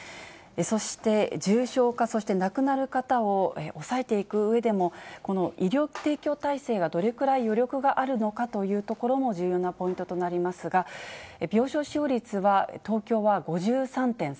そして重症化、そして亡くなる方を抑えていくうえでも、この医療提供体制がどれくらい余力があるのかというところも重要なポイントとなりますが、病床使用率は東京は５３．３％。